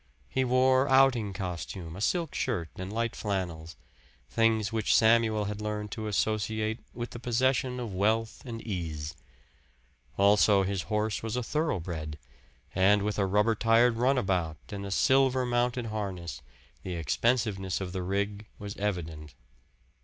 He wore outing costume, a silk shirt and light flannels things which Samuel had learned to associate with the possession of wealth and ease. Also, his horse was a thoroughbred; and with a rubber tired runabout and a silver mounted harness, the expensiveness of the rig was evident.